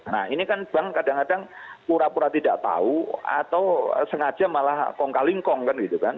nah ini kan bank kadang kadang pura pura tidak tahu atau sengaja malah kongkaling kong kan gitu kan